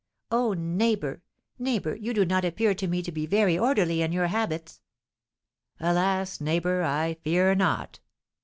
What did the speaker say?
"Oh, neighbour, neighbour, you do not appear to me to be very orderly in your habits!" "Alas, neighbour, I fear not!"